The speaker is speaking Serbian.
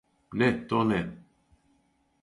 Не то, не!